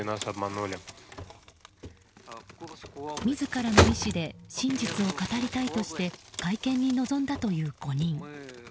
自らの意思で真実を語りたいとして会見に臨んだという５人。